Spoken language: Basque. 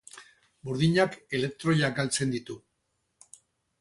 Burdinak elektroiak galtzen ditu.